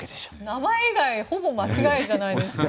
名前以外ほぼ間違いじゃないですか。